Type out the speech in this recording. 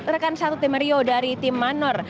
rekan satu tim rio dari tim manor